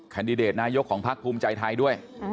แดดิเดตนายกของพักภูมิใจไทยด้วย